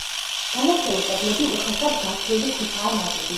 დანარჩენი კედლები უხეშად გათლილი ქვითაა ნაგები.